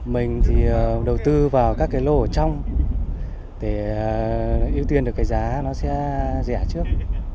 mình thì đầu tư vào các cái lô ở trong để ưu tiên được cái giá nó sẽ rẻ trước